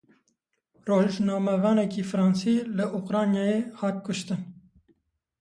Rojnamevanekî Fransî li Ukraynayê hat kuştin.